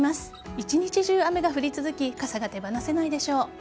一日中、雨が降り続き傘が手放せないでしょう。